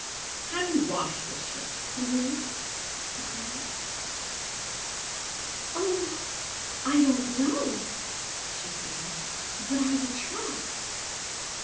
"Can you wash this shirt clean?" he cried. "Oh! I don't know," she said; "but I will try."